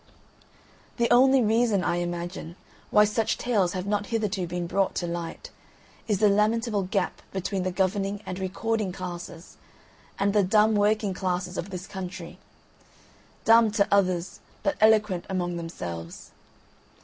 The only reason, I imagine, why such tales have not hitherto been brought to light, is the lamentable gap between the governing and recording classes and the dumb working classes of this country dumb to others but eloquent among themselves.